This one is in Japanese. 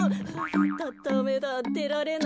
ダダメだでられない。